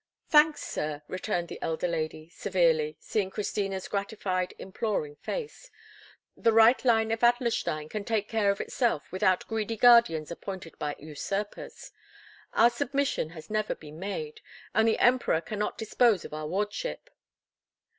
"Thanks, sir," returned the elder lady, severely, seeing Christina's gratified, imploring face. "The right line of Adlerstein can take care of itself without greedy guardians appointed by usurpers. Our submission has never been made, and the Emperor cannot dispose of our wardship."